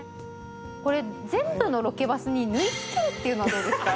これ全部のロケバスに縫い付けるっていうのはどうですか？